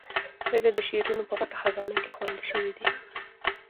د ده شعرونه په پټه خزانه کې خوندي شوي دي.